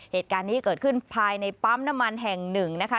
เหตุการณ์นี้เกิดขึ้นภายในปั๊มน้ำมันแห่งหนึ่งนะคะ